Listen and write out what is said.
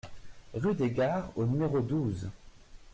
Rue des Gards au numéro douze